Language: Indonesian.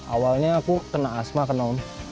awalnya aku kena asma kena ong